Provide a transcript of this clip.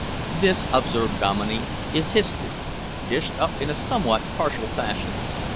"This," observed Dominey, "is history, dished up in a somewhat partial fashion.